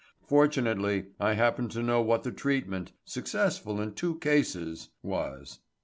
Fortunately I happen to know what the treatment successful in two cases was."